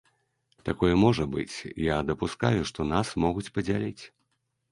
Такое можа быць, я дапускаю, што нас могуць падзяліць.